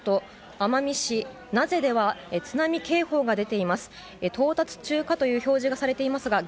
名瀬では津波警報が出ています。